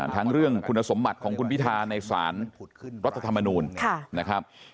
ทั้งเรื่องคุณสมบัติของคุณพิธาในสารรัฐธรรมนูลนะครับ